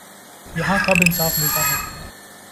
یہاں کب انصاف ملتا ہے